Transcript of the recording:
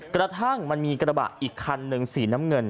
กระทั่งมันมีกระบะอีกคันหนึ่งสีน้ำเงิน